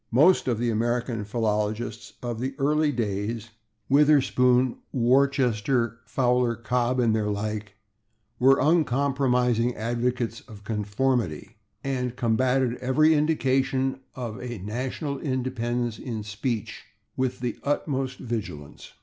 Most of the American philologists of the early days Witherspoon, Worcester, Fowler, Cobb and their like were uncompromising advocates of conformity, and combatted every indication of a national independence in speech with the utmost vigilance.